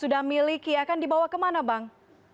sudah miliki ya kan dibawa kemana bang